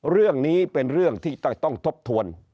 เรื่องนี้เป็นเรื่องที่ต้องทบทวน